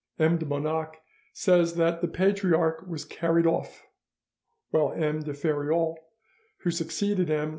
M. de Bonac says that the Patriarch was carried off, while M. de Feriol, who succeeded M.